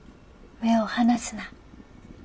目を離すな。